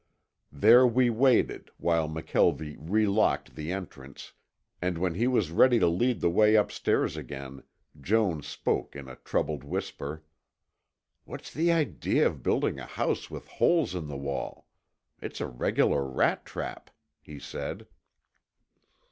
There we waited while McKelvie relocked the entrance, and when he was ready to lead the way upstairs again, Jones spoke in a troubled whisper. "What's the idea of building a house with holes in the wall? It's a regular rat trap," he said.